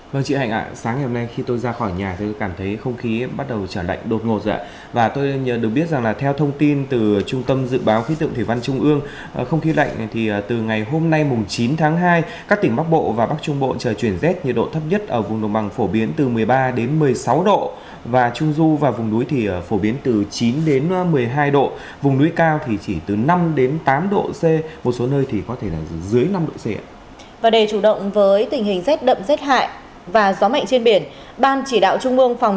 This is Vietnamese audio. để chủ động với tình hình rất đậm rất hại và gió mạnh trên biển ban chỉ đạo trung ương phòng